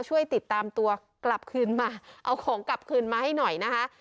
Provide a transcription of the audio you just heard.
ช่วยติดตามตัวกลับคืนมาเอาของกลับคืนมาให้หน่อยนะคะ